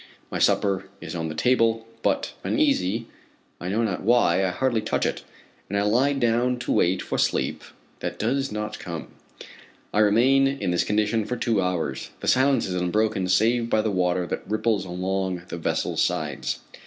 My supper is on the table, but uneasy, I know not why, I hardly touch it, and lie down to wait for sleep that does not come. I remain in this condition for two hours. The silence is unbroken save by the water that ripples along the vessel's sides.